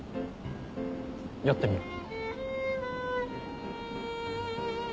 やってみる。